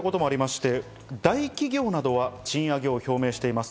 大企業などは賃上げを表明しています。